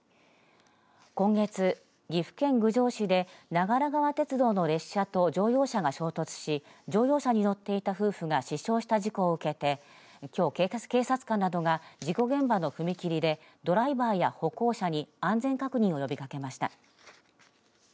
今月、岐阜県郡上市で長良川鉄道の列車と乗用車が衝突し乗用車に乗っていた夫婦が死傷した事故を受けてきょう警察官などが事故現場の踏切でドライバーや歩行者に安全確認を呼びかけました。